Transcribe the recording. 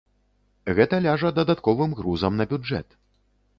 Гэта ляжа дадатковым грузам на бюджэт.